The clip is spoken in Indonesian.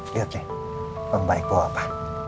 lihat nih pembaik gue apa